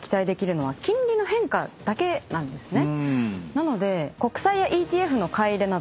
なので。